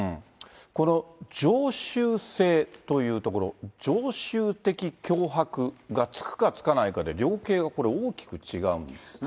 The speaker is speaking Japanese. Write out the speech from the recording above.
この常習性というところ、常習的脅迫がつくかつかないかで、量刑がこれ、大きく違うんですね。